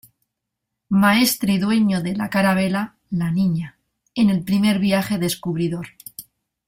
Maestre y dueño de la carabela "la Niña" en el primer viaje descubridor.